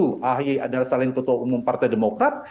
mas ahy adalah salah satu ketua umum partai demokrat